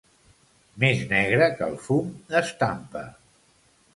Més negre que el fum d'estampa.